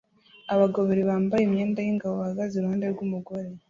Abagabo babiri bambaye imyenda yingabo bahagaze iruhande rwumugore